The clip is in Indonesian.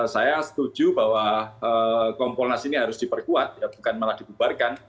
saya setuju bahwa kompolnas ini harus diperkuat bukan malah dibubarkan